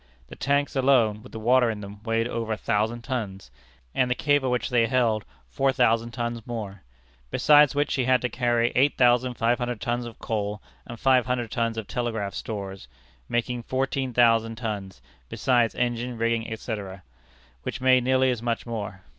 The tanks alone, with the water in them, weighed over a thousand tons; and the cable which they held, four thousand tons more; besides which she had to carry eight thousand five hundred tons of coal and five hundred tons of telegraph stores, making fourteen thousand tons, besides engines, rigging, etc., which made nearly as much more.